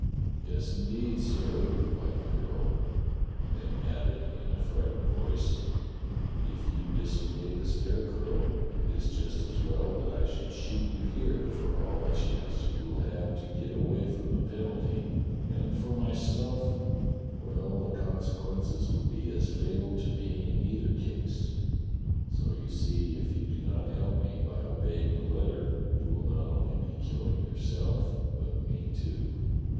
*'Yes, indeed, sir," repHed the girl, and then added in a frightened voice: "If you disobey the Scarecrow, it is just as well that I should shoot you here, for all the chance you will have to get away from the penalty, and for myself — well, the consequences would be as fatal to me in either case, so you see if you do not help me by obeying the letter you will not only be killing yourself but me, too."